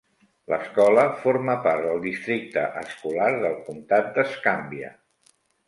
L'escola forma part del districte escolar del comtat d'Escambia.